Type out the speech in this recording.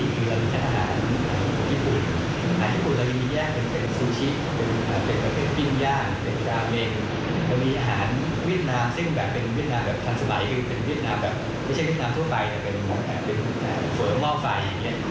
ซึ่งจะใช้งานง่ายนั่นอาหารใต้ชีวิตก่อนอร่อย